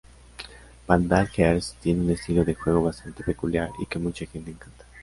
Vandal Hearts tiene un estilo de juego bastante peculiar y que mucha gente encanta.